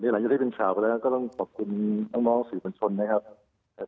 หลังจากที่เป็นข่าวไปแล้วก็ต้องขอบคุณน้องสื่อบัญชนนะครับ